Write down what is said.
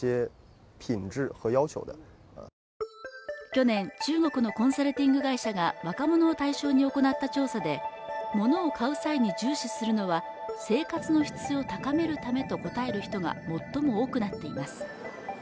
去年中国のコンサルティング会社が若者を対象に行なった調査で物を買う際に重視するのは生活の質を高めるためと答える人が最も多くなっています